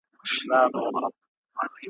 تر سهاره ګو ندي راسې.